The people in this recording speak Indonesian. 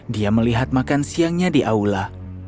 dia melihat makan siangnya di aula